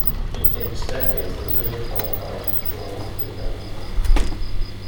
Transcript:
It takes decades until you're qualified to join the granny gang.